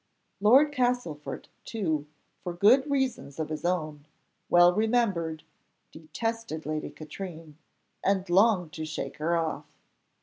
Lord Castlefort, too, for good reasons of his own, well remembered, detested Lady Katrine, and longed to shake her off.